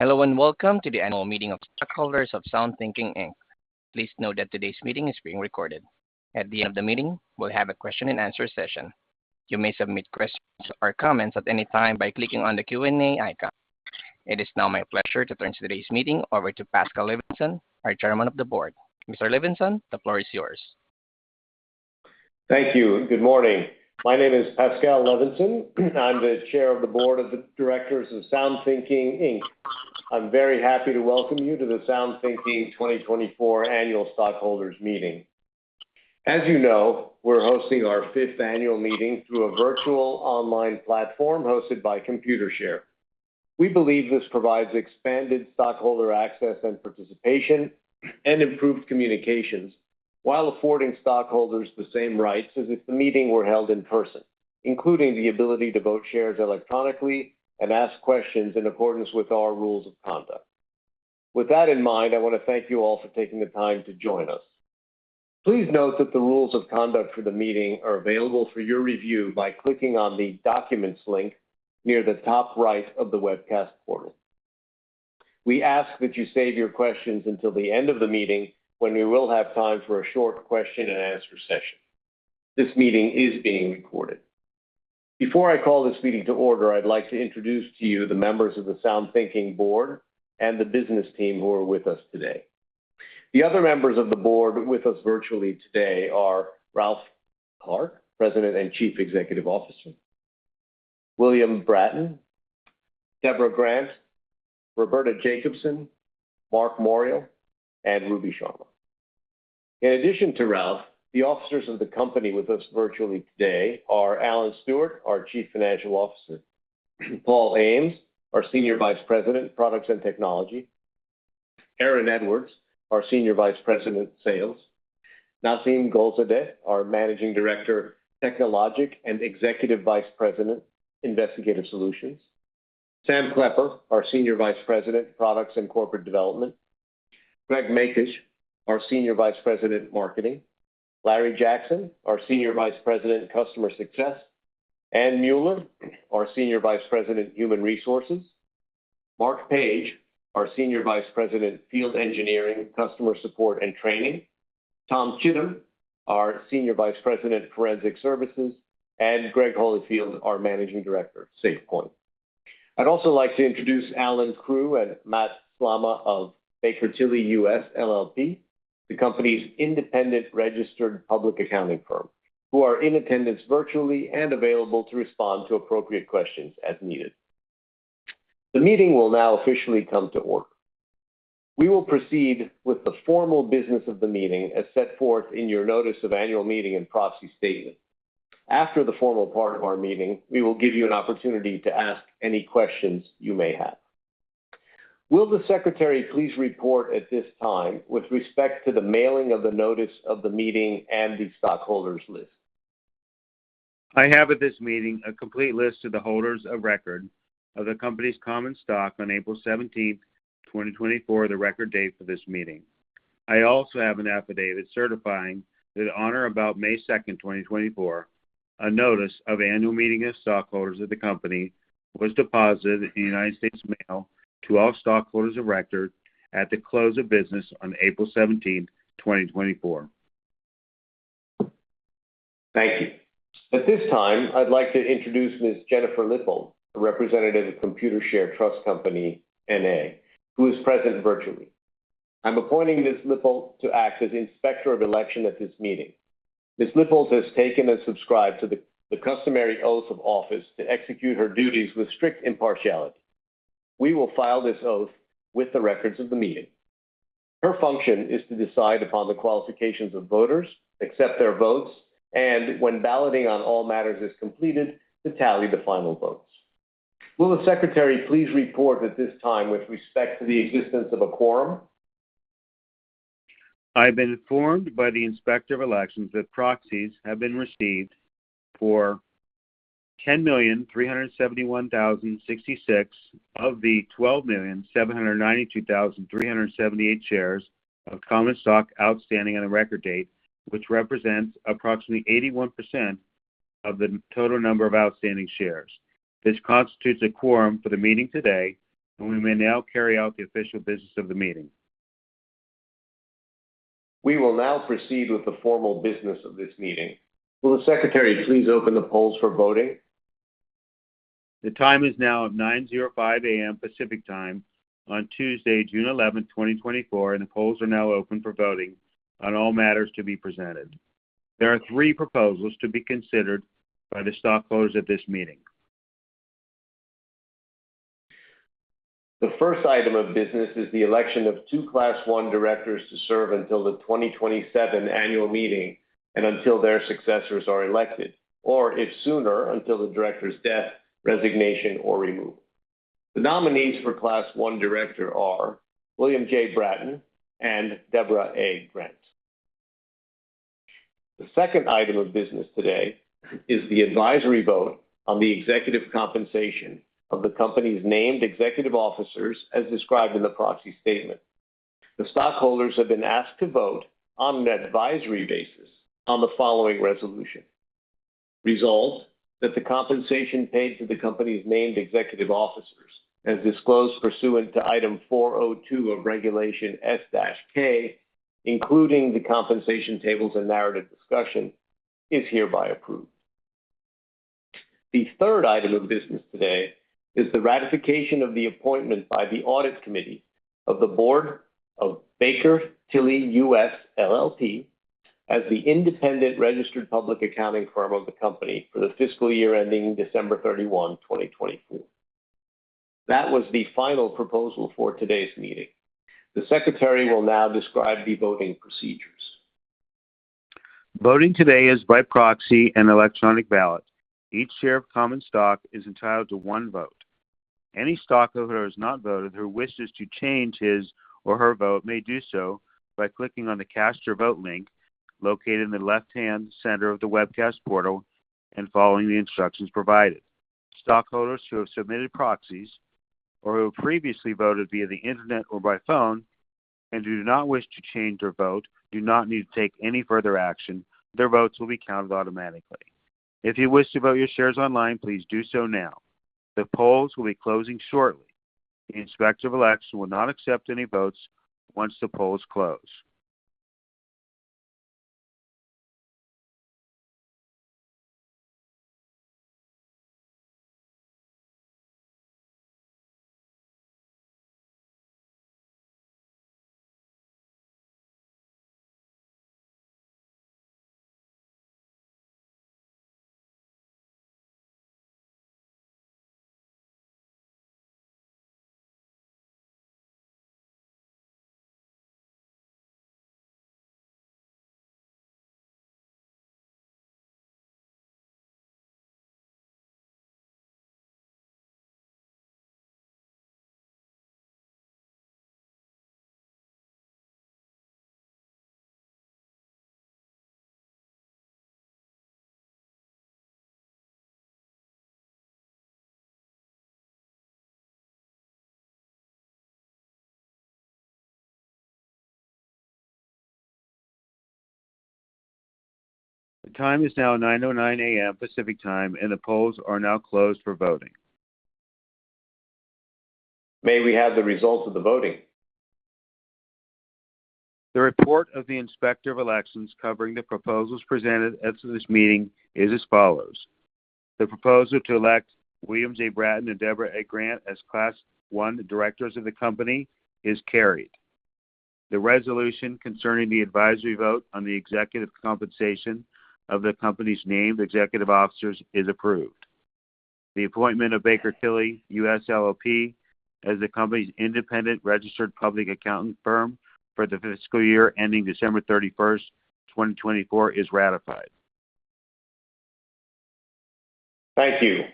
Hello, and welcome to the annual meeting of stockholders of SoundThinking Inc. Please note that today's meeting is being recorded. At the end of the meeting, we'll have a question and answer session. You may submit questions or comments at any time by clicking on the Q&A icon. It is now my pleasure to turn today's meeting over to Pascal Levensohn, our Chairman of the Board. Mr. Levensohn, the floor is yours. Thank you. Good morning. My name is Pascal Levensohn. I'm the Chair of the Board of Directors of SoundThinking Inc. I'm very happy to welcome you to the SoundThinking 2024 annual stockholders meeting. As you know, we're hosting our fifth annual meeting through a virtual online platform hosted by Computershare. We believe this provides expanded stockholder access and participation and improved communications, while affording stockholders the same rights as if the meeting were held in person, including the ability to vote shares electronically and ask questions in accordance with our rules of conduct. With that in mind, I wanna thank you all for taking the time to join us. Please note that the rules of conduct for the meeting are available for your review by clicking on the documents link near the top right of the webcast portal. We ask that you save your questions until the end of the meeting, when we will have time for a short question and answer session. This meeting is being recorded. Before I call this meeting to order, I'd like to introduce to you the members of the SoundThinking board and the business team who are with us today. The other members of the board with us virtually today are Ralph Clark, President and Chief Executive Officer. William Bratton, Deborah Grant, Roberta Jacobson, Marc Morial, and Ruby Sharma. In addition to Ralph, the officers of the company with us virtually today are Alan Stewart, our Chief Financial Officer, Paul Ames, our Senior Vice President, Products and Technology, Alan Edwards, our Senior Vice President, Sales, Nasim Golzadeh, our Managing Director, Forensic Logic, and Executive Vice President, Investigative Solutions, Sam Klepper, our Senior Vice President, Products and Corporate Development, Greg Macias, our Senior Vice President, Marketing, Larry Jackson, our Senior Vice President, Customer Success, Anne Mueller, our Senior Vice President, Human Resources, Mike Paige, our Senior Vice President, Field Engineering, Customer Support, and Training, Tom Chittum, our Senior Vice President, Forensic Services, and Greg Hollifield, our Managing Director, SafePointe. I'd also like to introduce Allan Krew and Matt Slama of Baker Tilly U.S., LLP, the company's independent registered public accounting firm, who are in attendance virtually and available to respond to appropriate questions as needed. The meeting will now officially come to order. We will proceed with the formal business of the meeting as set forth in your notice of annual meeting and proxy statement. After the formal part of our meeting, we will give you an opportunity to ask any questions you may have. Will the secretary please report at this time with respect to the mailing of the notice of the meeting and the stockholders' list? I have at this meeting a complete list of the holders of record of the company's common stock on April 17, 2024, the record date for this meeting. I also have an affidavit certifying that on or about May 2, 2024, a notice of annual meeting of stockholders of the company was deposited in the United States Mail to all stockholders of record at the close of business on April 17, 2024. Thank you. At this time, I'd like to introduce Ms. Jennifer Littell, a representative of Computershare Trust Company, N.A., who is present virtually. I'm appointing Ms. Littell to act as Inspector of Election at this meeting. Ms. Littell has taken and subscribed to the customary oath of office to execute her duties with strict impartiality. We will file this oath with the records of the meeting. Her function is to decide upon the qualifications of voters, accept their votes, and when balloting on all matters is completed, to tally the final votes. Will the secretary please report at this time with respect to the existence of a quorum? I've been informed by the Inspector of Election that proxies have been received for 10,371,066 of the 12,792,378 shares of common stock outstanding on the Record Date, which represents approximately 81% of the total number of outstanding shares. This constitutes a quorum for the meeting today, and we may now carry out the official business of the meeting. We will now proceed with the formal business of this meeting. Will the secretary please open the polls for voting? The time is now 9:05 A.M. Pacific Time on Tuesday, June 11, 2024, and the polls are now open for voting on all matters to be presented. There are three proposals to be considered by the stockholders at this meeting. The first item of business is the election of two Class I directors to serve until the 2027 annual meeting and until their successors are elected, or if sooner, until the director's death, resignation, or removal. The nominees for Class I director are William J. Bratton and Deborah A. Grant. The second item of business today is the advisory vote on the executive compensation of the company's named executive officers as described in the proxy statement. The stockholders have been asked to vote on an advisory basis on the following resolution: Resolve that the compensation paid to the company's named executive officers, as disclosed pursuant to Item 402 of Regulation S-K, including the compensation tables and narrative discussion, is hereby approved. The third item of business today is the ratification of the appointment by the Audit Committee of the Board of Baker Tilly U.S., LLP, as the independent registered public accounting firm of the company for the fiscal year ending December 31, 2024. That was the final proposal for today's meeting. The secretary will now describe the voting procedures. Voting today is by proxy and electronic ballot. Each share of common stock is entitled to one vote. Any stockholder who has not voted, who wishes to change his or her vote, may do so by clicking on the Cast Your Vote link located in the left-hand center of the webcast portal and following the instructions provided. Stockholders who have submitted proxies or who have previously voted via the Internet or by phone and do not wish to change their vote, do not need to take any further action. Their votes will be counted automatically. If you wish to vote your shares online, please do so now. The polls will be closing shortly. The Inspector of Election will not accept any votes once the polls close. The time is now 9:09 A.M. Pacific Time, and the polls are now closed for voting. May we have the results of the voting? The report of the Inspector of Election covering the proposals presented at today's meeting is as follows: The proposal to elect William J. Bratton and Deborah A. Grant as Class I directors of the company is carried. The resolution concerning the advisory vote on the executive compensation of the company's named executive officers is approved. The appointment of Baker Tilly U.S., LLP as the company's independent registered public accounting firm for the fiscal year ending December 31, 2024, is ratified. Thank you.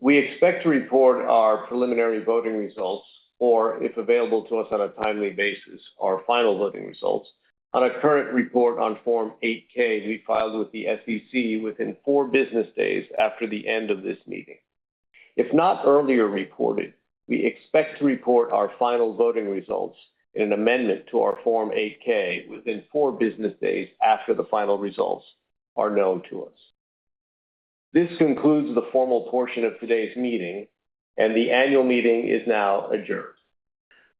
We expect to report our preliminary voting results, or if available to us on a timely basis, our final voting results on a current report on Form 8-K to be filed with the SEC within four business days after the end of this meeting. If not earlier reported, we expect to report our final voting results in an amendment to our Form 8-K within four business days after the final results are known to us. This concludes the formal portion of today's meeting, and the annual meeting is now adjourned.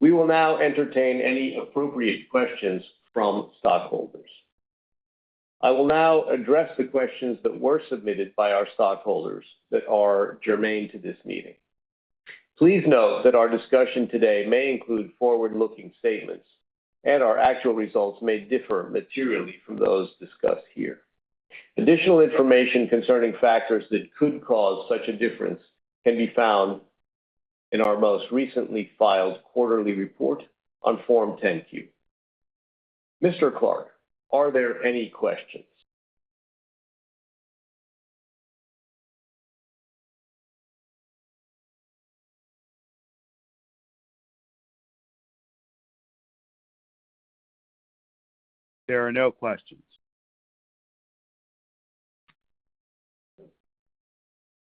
We will now entertain any appropriate questions from stockholders. I will now address the questions that were submitted by our stockholders that are germane to this meeting. Please note that our discussion today may include forward-looking statements, and our actual results may differ materially from those discussed here. Additional information concerning factors that could cause such a difference can be found in our most recently filed quarterly report on Form 10-Q. Mr. Clark, are there any questions? There are no questions.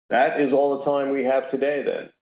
That is all the time we have today, then.